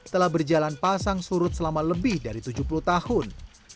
telah berjalan pasang surut selama lebih dari tujuh puluh tahun